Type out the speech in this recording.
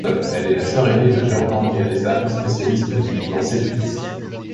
Elle est la sœur ainée de Jordan Guehaseim, spécialiste du lancer du disque.